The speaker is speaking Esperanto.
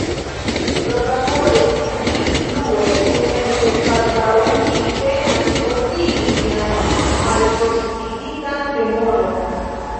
Propravole ĉi tiu diris plue, enpense, kvazaŭ li penas ordigi sian malfortigitan memoron: